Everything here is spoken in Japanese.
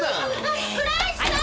あ倉石さん！